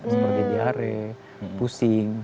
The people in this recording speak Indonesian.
seperti diare pusing